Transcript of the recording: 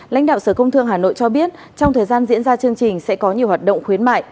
lãnh đạo sở công thương hà nội cho biết trong thời gian diễn ra chương trình sẽ có nhiều hoạt động khuyến mại